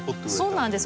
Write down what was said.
そうなんです。